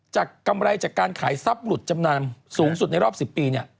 กำไรจากการขายทรัพย์หลุดจำนำสูงสุดในรอบ๑๐ปี